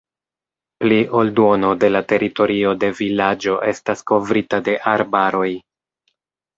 Pli ol duono de la teritorio de vilaĝo estas kovrita de arbaroj.